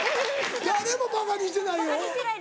誰もばかにしてないよ。